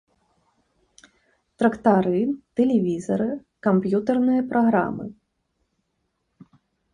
Трактары, тэлевізары, камп'ютэрныя праграмы.